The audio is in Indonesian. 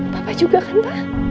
papa juga kan pak